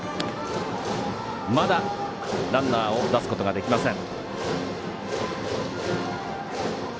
まだランナーを出すことができません。